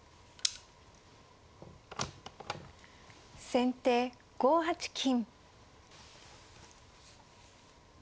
先手５八金。